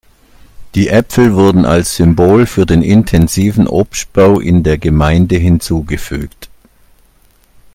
Die Äpfel wurden als Symbol für den intensiven Obstbau in der Gemeinde hinzugefügt.